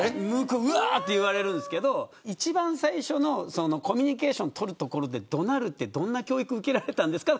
うわっと言われるんですけど一番最初のコミュニケーションを取るところで怒鳴るってどんな教育受けられたんですか。